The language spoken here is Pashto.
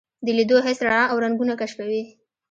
د لیدو حس رڼا او رنګونه کشفوي.